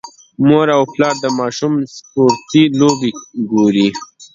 مور او پلار د ماشوم سپورتي لوبې ګوري.